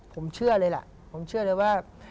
ผมเชื่อเลยล่ะผมเชื่อเลยว่า